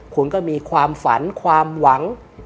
คุณก็มีความฝันความหวัง